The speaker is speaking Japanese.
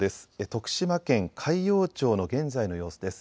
徳島県海陽町の現在の様子です。